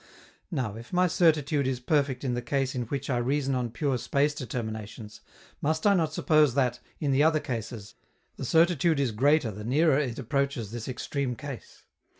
Now, if my certitude is perfect in the case in which I reason on pure space determinations, must I not suppose that, in the other cases, the certitude is greater the nearer it approaches this extreme case?